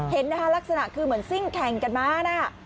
เห็นนะคะลักษณะคือเหมือนซิ่งแข่งกันมานะ